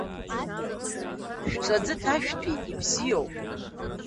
Шәҿы аӡы ҭашәҭәеит ибзиоуп!